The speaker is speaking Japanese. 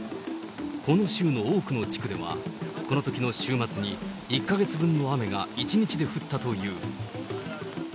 この州の多くの地区では、このときの週末に１か月分の雨が１日で降ったという。